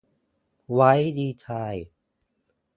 White resigns.